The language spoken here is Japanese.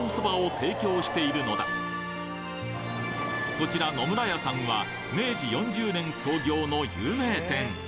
こちら野村屋さんは明治４０年創業の有名店